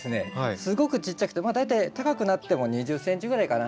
すごくちっちゃくて大体高くなっても２０ｃｍぐらいかな。